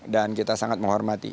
dan kita sangat menghormati